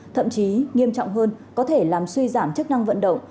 thậm chí nghiêm trọng hơn có thể làm suy giảm chức năng vận động